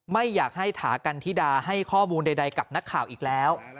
ไม่อยากให้ถากันธิดาให้ข้อมูลใดกับนักข่าวอีกแล้ว